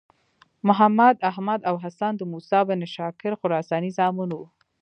محمد، احمد او حسن د موسی بن شاګر خراساني زامن وو.